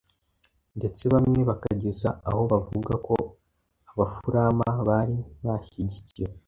Ndetse bamwe bakageza aho bavuga ko Abafurama bari bashyigikiwe